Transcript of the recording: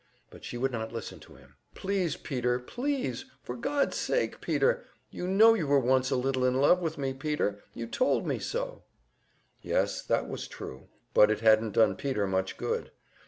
But she would not listen to him. "Please, Peter, please! For God's sake, Peter! You know you were once a little in love with me, Peter you told me so " Yes, that was true, but it hadn't done Peter much good.